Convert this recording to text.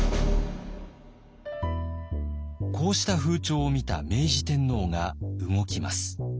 こうした風潮を見た明治天皇が動きます。